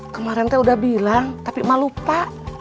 kemarin teh udah bilang tapi mah lupa